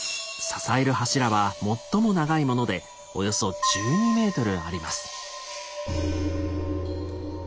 支える柱は最も長いものでおよそ１２ｍあります。